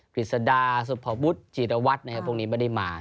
พริษัดาสุบบภูษจีรวรรดิพวกนี้ไม่ได้มา